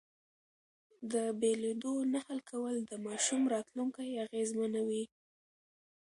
د بېلېدو نه حل کول د ماشوم راتلونکی اغېزمنوي.